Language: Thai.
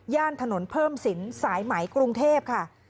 ถนนเพิ่มสินสายไหมกรุงเทพค่ะ